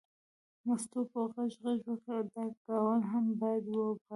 مستو په غږ غږ وکړ دا ګاونډ هم باید وپالو.